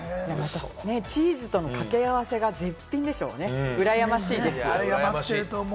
チーズとの掛け合わせが絶品でしょうね、羨ましいです。